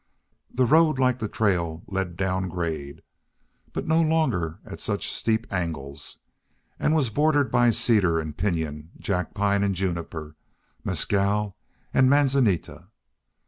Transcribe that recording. The road, like the trail, led down grade, but no longer at such steep angles, and was bordered by cedar and pinyon, jack pine and juniper, mescal and manzanita.